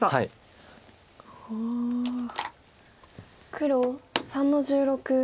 黒３の十六。